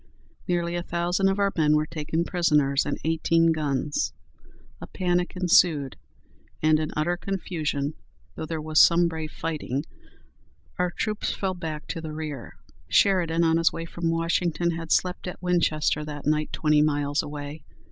Nearly a thousand of our men were taken prisoners, and eighteen guns. A panic ensued, and in utter confusion, though there was some brave fighting, our troops fell back to the rear. Sheridan, on his way from Washington, had slept at Winchester that night, twenty miles away.